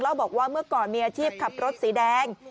แล้วบอกว่าเมื่อก่อนมีอาชีพขับรถสีแดง